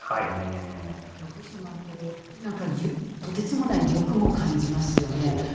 恐怖心もあるけど、なんかとてつもない欲も感じますよね。